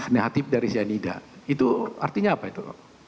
negatif dari cyanida itu artinya apa itu